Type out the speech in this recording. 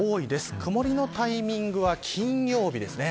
曇のタイミングは金曜日です。